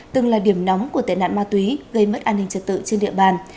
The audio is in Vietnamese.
từng là điểm nóng của tệ nạn ma túy gây mất an ninh trật tự trên địa bàn